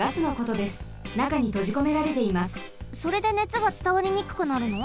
それで熱がつたわりにくくなるの？